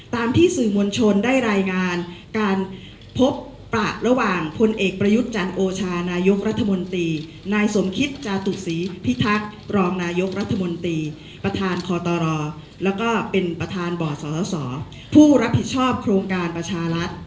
ตามที่สื่อมวลชนได้รายงานการพบประระหว่างพลเอกประยุทธ์จันโอชานายกรัฐมนตรีนายสมคิตจาตุศรีพิทักษ์รองนายกรัฐมนตรีประธานคอตรแล้วก็เป็นประธานบ่อสสผู้รับผิดชอบโครงการประชารัฐ